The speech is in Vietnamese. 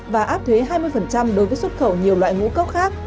và áp thuế hai mươi đối với xuất khẩu nhiều loại ngũ cốc khác